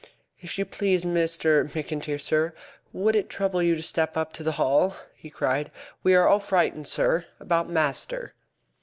"If you please, Mr. McIntyre, sir, would it trouble you to step up to the Hall?" he cried. "We are all frightened, sir, about master."